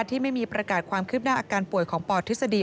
ที่ไม่มีประกาศความคืบหน้าอาการป่วยของปทฤษฎี